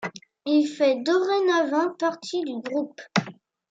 Il fait dorénavant partie du groupe.